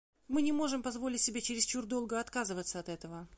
Мы не можем позволить себе чересчур долго отказываться от этого.